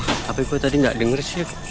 tapi gue tadi gak denger sih